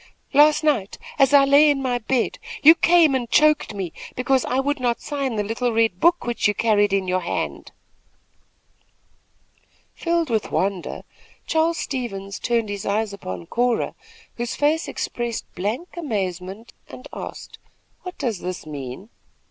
"Last night, as I lay in my bed, you came and choked me, because I would not sign the little red book which you carried in your hand." Filled with wonder, Charles Stevens turned his eyes upon Cora, whose face expressed blank amazement, and asked: "What does this mean?"